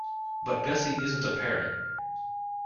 But Gussie isn't a parrot.